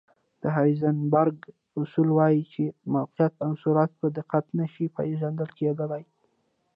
د هایزنبرګ اصول وایي چې موقعیت او سرعت په دقت نه شي پېژندل کېدلی.